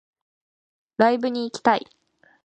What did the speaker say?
ライブに行きたい